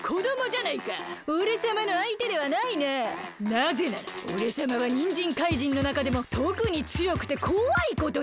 なぜならおれさまはにんじんかいじんのなかでもとくにつよくてこわいことで。